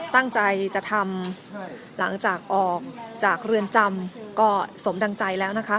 ตั้งใจจะทำหลังจากออกจากเรือนจำก็สมดังใจแล้วนะคะ